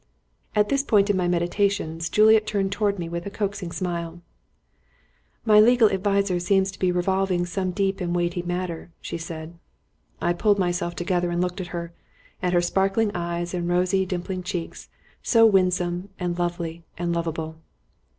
At this point in my meditations Juliet turned towards me with a coaxing smile. "My legal adviser seems to be revolving some deep and weighty matter," she said. I pulled myself together and looked at her at her sparkling eyes and rosy, dimpling cheeks, so winsome and lovely and lovable.